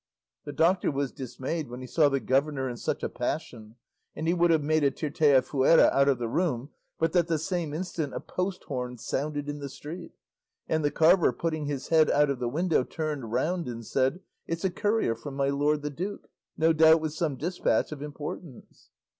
The doctor was dismayed when he saw the governor in such a passion, and he would have made a Tirteafuera out of the room but that the same instant a post horn sounded in the street; and the carver putting his head out of the window turned round and said, "It's a courier from my lord the duke, no doubt with some despatch of importance."